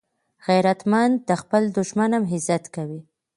غیرتمند د خپل دښمن هم عزت کوي